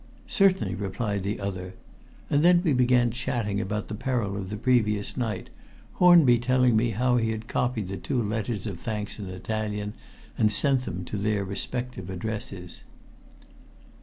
"Certainly," replied the other; and then we began chatting about the peril of the previous night, Hornby telling me how he had copied the two letters of thanks in Italian and sent them to their respective addresses.